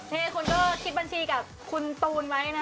นี่คุณก็คิดบัญชีกับคุณตูนไว้นะ